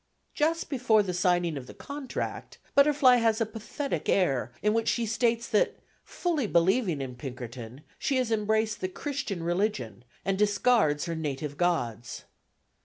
Just before the signing of the contract, Butterfly has a pathetic air, in which she states that, fully believing in Pinkerton, she has embraced the Christian religion and discards her native gods.